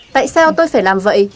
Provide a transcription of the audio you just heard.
tại sao tôi phải làm vậy